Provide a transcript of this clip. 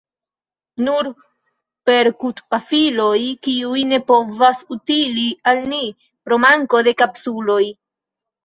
Nur perkutpafiloj, kiuj ne povas utili al ni, pro manko de kapsuloj.